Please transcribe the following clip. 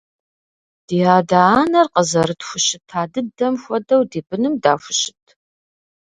Ди адэ-анэр къызэрытхущыта дыдэм хуэдэу ди быным дахущыт?